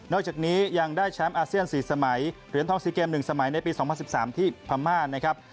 จากนี้ยังได้แชมป์อาเซียน๔สมัยเหรียญทอง๔เกม๑สมัยในปี๒๐๑๓ที่พม่านะครับ